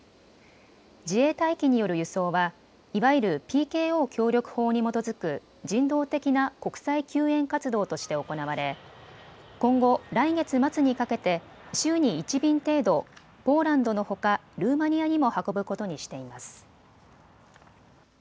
自衛隊機による輸送はいわゆるＰＫＯ協力法に基づく人道的な国際救援活動として行われ今後、来月末にかけて週に１便程度、ポーランドのほかルーマニアにも運ぶことにしています。